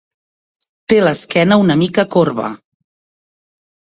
Té l'esquena una mica corba.